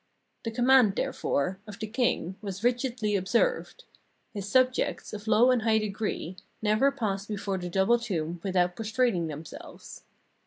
The command, therefore, of the king was rigidly obeyed: his subjects, of low and high degree, never passed before the double tomb with out prostrating themselves.